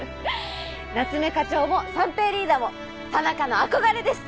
夏目課長も三瓶リーダーも田中の憧れです！